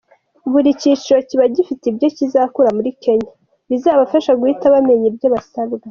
Buri cyiciro kikaba gifite ibyo kizakura muri Kenya, bizabafasha guhita bamenya ibyo basabwa.